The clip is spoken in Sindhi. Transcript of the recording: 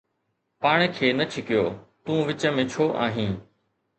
پاڻ کي نه ڇڪيو، تون وچ ۾ ڇو آهين؟